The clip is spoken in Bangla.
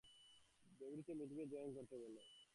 ডেভিডকে মিটিংয়ে জয়েন করতে বলো।